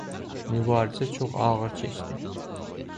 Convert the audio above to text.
Mübarizə çox ağır keçdi.